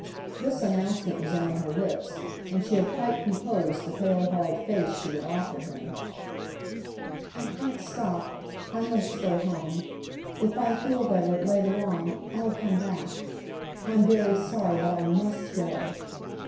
This announcement was on her lips, and she had quite composed the pale hard face she would offer him: "I can't stop—I must go home. If I feel better, later on, I'll come back. I'm very sorry, but I must go."